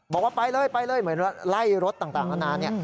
บอกว่าไปเลยเหมือนไล่รถต่างนานา